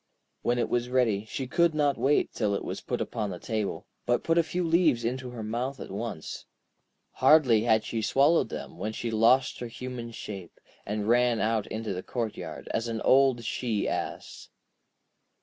When it was ready, she could not wait till it was put upon the table, but put a few leaves into her mouth at once. Hardly had she swallowed them, when she lost her human shape, and ran out into the courtyard, as an old she ass.